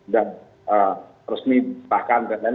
dan resmi bahkan